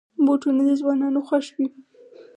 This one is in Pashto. بوټونه د ځوانانو خوښ وي.